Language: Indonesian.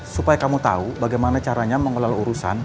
supaya kamu tahu bagaimana caranya mengelola urusan